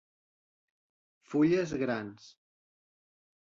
Fulles grans.